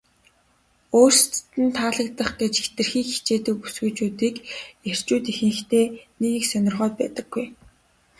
өөрсдөд нь таалагдах гэж хэтэрхий хичээдэг бүсгүйчүүдийг эрчүүд ихэнхдээ нэг их сонирхоод байдаггүй.